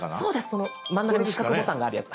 その真ん中に四角ボタンがあるやつ。